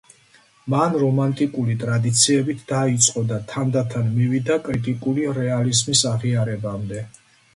მან რომანტიკული ტრადიციებით დაიწყო და თანდათან მივიდა კრიტიკული რეალიზმის აღიარებამდე.